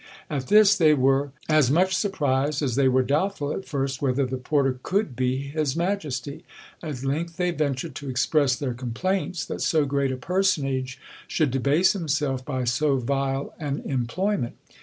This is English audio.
At this they were as much surprised as they were doubtful at first whether the porter could be his majesty. At length they ventured to express their complaints that so great a personage should debase himself by so vile an employment.